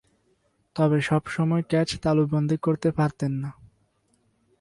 তবে, সবসময় ক্যাচ তালুবন্দী করতে পারতেন না।